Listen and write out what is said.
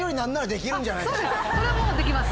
そうですそれはもうできます。